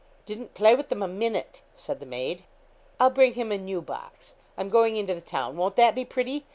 'Didn't play with them a minute,' said the maid. 'I'll bring him a new box. I'm going into the town; won't that be pretty?'